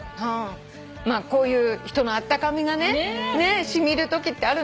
こういう人のあったかみが染みるときってあるんだけど。